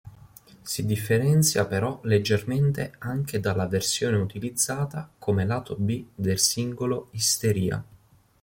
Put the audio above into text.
Si differenzia però leggermente anche dalla versione utilizzata come lato B del singolo "Hysteria".